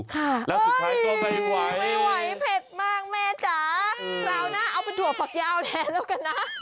ค่ะไม่ไหวเผ็ดมากแม่จ๋าเรานะเอาเป็นถั่วผักยาวแทนแล้วกันนะ